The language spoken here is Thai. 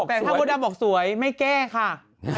แต่ถ้ามดดำบอกสวยไม่แก้ค่ะ